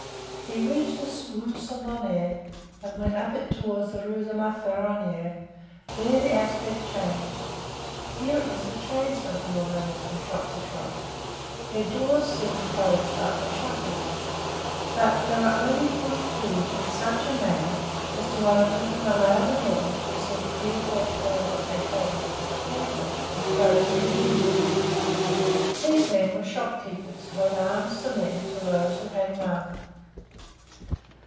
He reached the Rue Saint Honore and went up it toward the Rue de la Ferronnerie; there the aspect changed; here it was the tradesmen who were running from shop to shop; their doors seemed closed like their shutters, but they were only pushed to in such a manner as to open and allow the men, who seemed fearful of showing what they carried, to enter, closing immediately. These men were shopkeepers, who had arms to lend to those who had none.